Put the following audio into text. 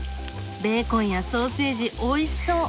ベーコンやソーセージおいしそう！